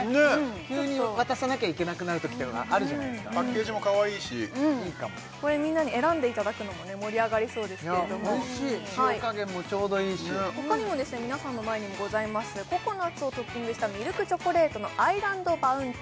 急に渡さなきゃいけなくなるときとかあるじゃないですかパッケージもかわいいしいいかもこれみんなに選んでいただくのも盛り上がりそうですけれどもおいしい塩加減もちょうどいいしほかにも皆さんの前にもございますココナツをトッピングしたミルクチョコレートのアイランドバウンティ